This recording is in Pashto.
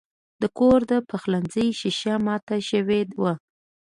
د کور د پخلنځي شیشه مات شوې وه.